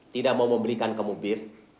tidak mau membelikan kamu bir